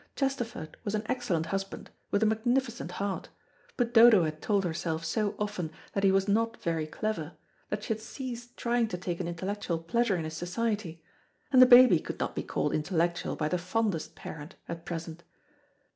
Chesterford was an excellent husband, with a magnificent heart; but Dodo had told herself so often that he was not very clever, that she had ceased trying to take an intellectual pleasure in his society, and the baby could not be called intellectual by the fondest parent at present.